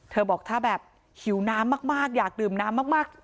เธอบอกถ้าแบบหิวน้ำมากมากอยากดื่มน้ำมากมาก